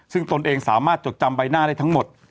ซึ่งตนเองสามารถจดจำใบหน้าได้ทั้งหมด